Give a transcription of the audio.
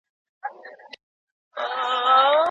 له څو ورځو راهیسې غږونه بدلې شوي.